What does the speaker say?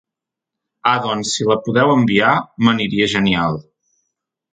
Ah doncs si la podeu enviar, m'aniria genial.